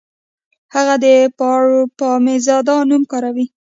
هغه د پاروپامیزاد نوم کارولی و